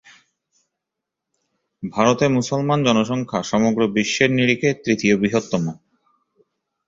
ভারতে মুসলমান জনসংখ্যা সমগ্র বিশ্বের নিরিখে তৃতীয় বৃহত্তম।